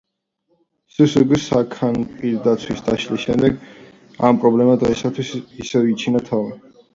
სსგ „საქნაპირდაცვის“ დაშლის შემდეგ ამ პრობლემამ დღეისთვის ისევ იჩინა თავი.